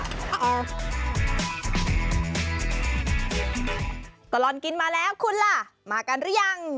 ตลอดกินมาแล้วคุณล่ะมากันหรือยัง